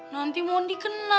nanti mondi kena